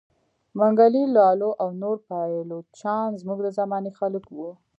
منګی لالو او نور پایلوچان زموږ د زمانې خلک وه.